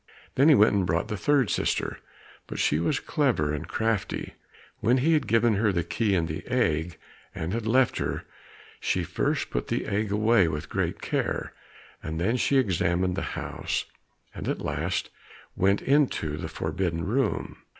Then he went and brought the third sister, but she was clever and crafty. When he had given her the keys and the egg, and had left her, she first put the egg away with great care, and then she examined the house, and at last went into the forbidden room.